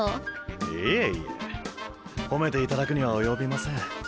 いえいえ褒めていただくには及びません。